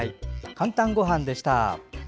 「かんたんごはん」でした。